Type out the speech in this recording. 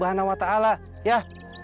tapi bertobatlah kepada allah swt